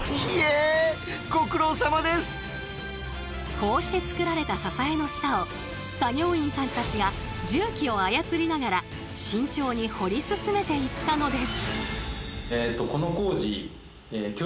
こうしてつくられた支えの下を作業員さんたちが重機を操りながら慎重に掘り進めていったのです。